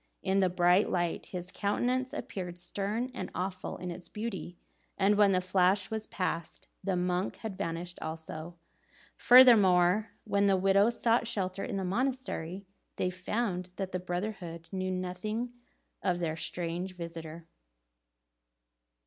In the bright light, his countenance appeared stern and awful in its beauty, and when the flash was passed, the monk had vanished also. Furthermore, when the widows sought shelter in the monastery, they found that the brotherhood knew nothing of their strange visitor.